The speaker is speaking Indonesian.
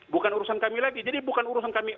bukan urusan kami lagi jadi bukan urusan kami